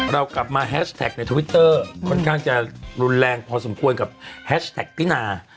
เรากลับมาแฮชแท็กในทวิตเตอร์ค่อนข้างจะรุนแรงพอสมควรกับแฮชแท็กพี่นา